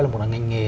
là một ngành nghề